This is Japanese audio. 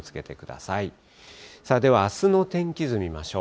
さあでは、あすの天気図見ましょう。